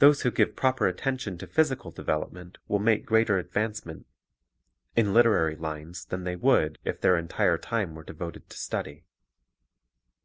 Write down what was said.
Those who give proper attention to physical development will make greater Mental Effect advancement in literary lines than they would if their entire time were devoted to study.